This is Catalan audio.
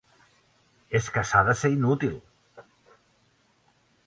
És que s'ha de ser inútil!